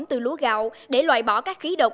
từ lúa gạo để loại bỏ các khí độc